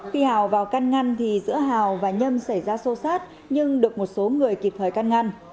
khi hào vào căn ngăn thì giữa hào và nhâm xảy ra sâu sát nhưng được một số người kịp thời căn ngăn